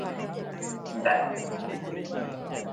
แบต